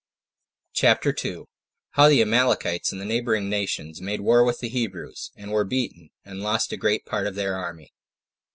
CHAPTER 2. How The Amalekites And The Neighbouring Nations, Made War With The Hebrews And Were Beaten And Lost A Great Part Of Their Army.